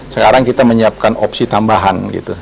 sekarang kita menyiapkan opsi tambahan gitu